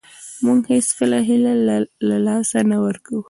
موږ هېڅکله هیله له لاسه نه ورکوو .